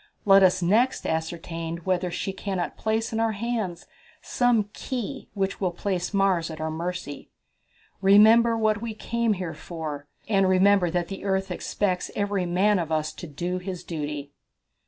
Let us next ascertain whether she cannot place in our hands some key which will place Mars at our mercy. Remember what we came here for, and remember that the earth expects every man of us to do his duty."